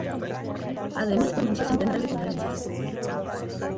Además pronunció centenares de conferencias.